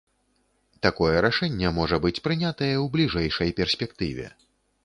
Такое рашэнне можа быць прынятае ў бліжэйшай перспектыве.